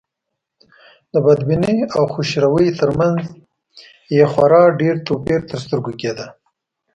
د بدبینۍ او خوشروی تر منځ یې خورا ډېر توپير تر سترګو کېده.